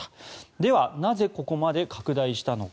では、なぜここまで拡大したのか。